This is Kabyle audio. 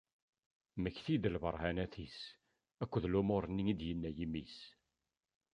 Mmektit-d d lberhanat-is akked lumuṛ nni i d-inna yimi-s.